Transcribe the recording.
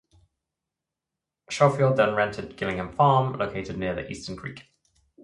Schofield then rented "Gillingham Farm", located near the Eastern Creek.